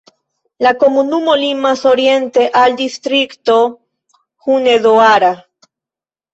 La komunumo limas oriente al distrikto Hunedoara.